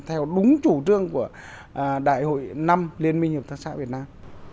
theo đúng chủ trương của đại hội năm liên minh hợp tác xã việt nam